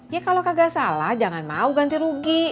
ya kalau kagak salah jangan mau ganti rugi